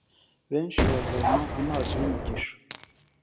benshi bavoma amazi y’umugisha